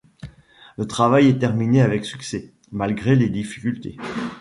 Le travail est terminé avec succès, malgré les difficultés.